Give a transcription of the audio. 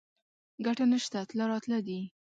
ګټه نشته تله راتله دي